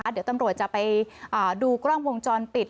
เดี๋ยวตำรวจจะไปดูกล้องวงจรปิด